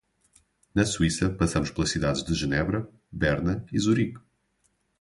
Na Suíça passamos pelas cidades de Genebra, Berna e Zurique.